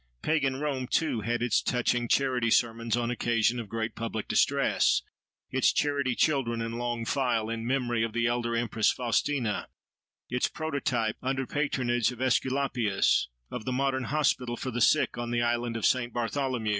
Pagan Rome, too, had its touching charity sermons on occasions of great public distress; its charity children in long file, in memory of the elder empress Faustina; its prototype, under patronage of Aesculapius, of the modern hospital for the sick on the island of Saint Bartholomew.